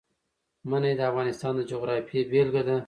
منی د افغانستان د جغرافیې بېلګه ده.